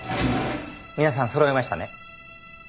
皆さん揃いましたね。